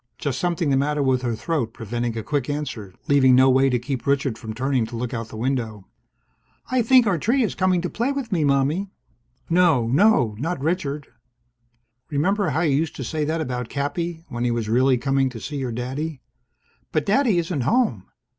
Just something the matter with her throat, preventing a quick answer, leaving no way to keep Richard from turning to look out the window. "I think our tree is coming to play with me, Mommie." No, no! Not Richard! "Remember how you used to say that about Cappy? When he was really coming to see your daddy?" "But Daddy isn't home!"